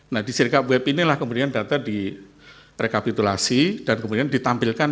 nah di sirkup web inilah kemudian data direkapitulasi dan kemudian ditampilkan